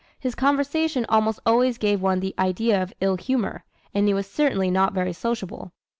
His conversation almost always gave one the idea of ill humor, and he was certainly not very sociable.